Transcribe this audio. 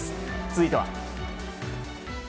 続いては。